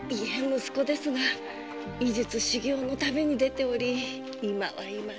息子ですが医術修業の旅に出ており今はいません。